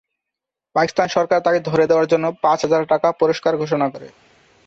পাকিস্তান সরকার তাকে ধরে দেওয়ার জন্য পাঁচ হাজার টাকা পুরস্কার ঘোষণা করে।